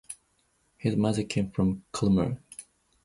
His mother came from Colmar.